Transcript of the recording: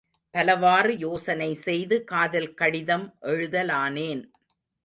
பலவாறு யோசனை செய்து காதல் கடிதம் எழுதலானேன்.